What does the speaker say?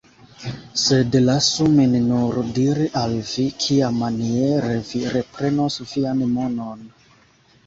Sed lasu min nur diri al vi, kiamaniere vi reprenos vian monon.